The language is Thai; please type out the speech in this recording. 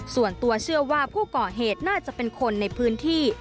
ส่วนตัวเชื่อว่าผู้ก่อเหตุน่าจะเป็นคนในพื้นที่